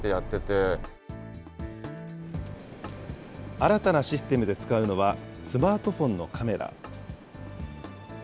新たなシステムで使うのはスマートフォンのカメラ。